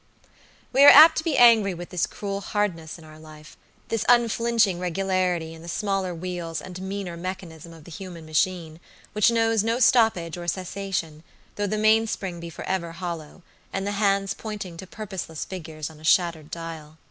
We are apt to be angry with this cruel hardness in our lifethis unflinching regularity in the smaller wheels and meaner mechanism of the human machine, which knows no stoppage or cessation, though the mainspring be forever hollow, and the hands pointing to purposeless figures on a shattered dial.